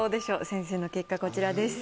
先生の結果こちらです。